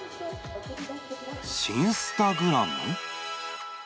シンスタグラム？